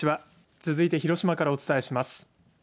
続いて広島からお伝えします。